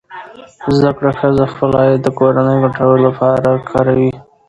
زده کړه ښځه خپل عاید د کورنۍ ګټو لپاره کاروي.